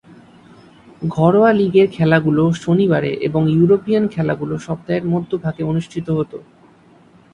ঘরোয়া লীগের খেলাগুলো শনিবারে এবং ইউরোপীয়ান খেলাগুলো সপ্তাহের মধ্যভাগে অনুষ্ঠিত হত।